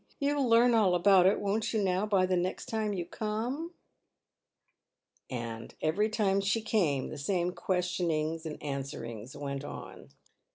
You'll learn all about it, won't you, now, by the next time you come ?" And every time she came the same questionings and answerings went on.